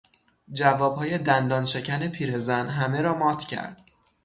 جوابهای دندانشکن پیرزن همه را مات کرد.